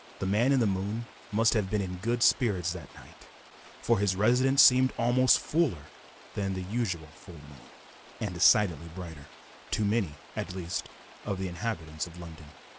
The man in the moon must have been in good spirits that night, for his residence seemed almost fuller than the usual full moon, and decidedly brighter to many, at least, of the inhabitants of London.